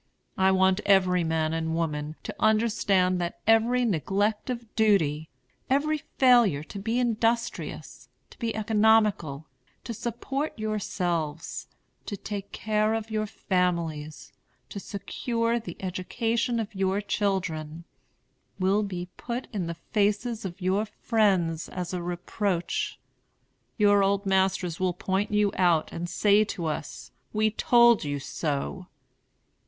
I want every man and woman to understand that every neglect of duty, every failure to be industrious, to be economical, to support yourselves, to take care of your families, to secure the education of your children, will be put in the faces of your friends as a reproach. Your old masters will point you out and say to us, 'We told you so.'